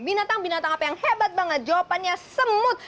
binatang binatang apa yang hebat banget jawabannya semut